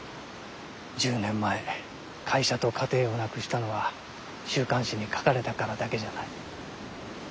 １０年前会社と家庭をなくしたのは週刊誌に書かれたからだけじゃない。